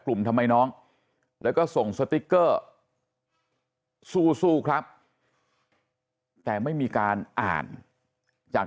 ทำไมน้องแล้วก็ส่งสติ๊กเกอร์สู้สู้ครับแต่ไม่มีการอ่านจาก